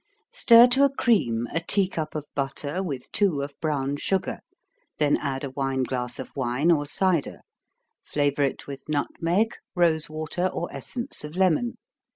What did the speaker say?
_ Stir to a cream a tea cup of butter, with two of brown sugar, then add a wine glass of wine, or cider flavor it with nutmeg, rose water, or essence of lemon.